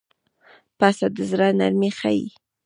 پسه د زړه نرمي ښيي.